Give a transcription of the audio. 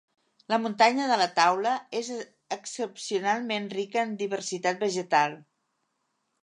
La muntanya de la Taula és excepcionalment rica en diversitat vegetal.